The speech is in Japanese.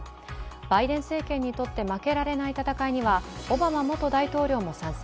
バイデン政権にとって負けられない戦いには、オバマ元大統領も参戦。